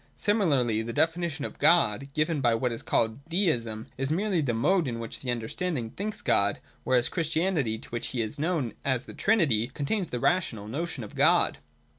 Similarly the definition of God, given by what is called Deism, is merely the mode in which the understanding thinks God : whereas Christianity, to which He is known as the Trinity, contains the rational notion of God.